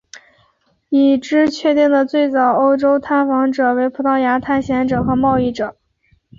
已知确定的最早欧洲探访者为葡萄牙探险者和贸易者。